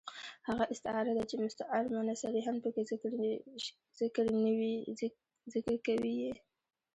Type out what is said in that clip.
هغه استعاره ده، چي مستعار منه صریحاً پکښي ذکر ىوى يي.